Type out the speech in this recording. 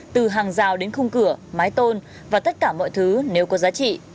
từ hàng rào đến khung cửa mái tôn và tất cả mọi thứ nếu có giá trị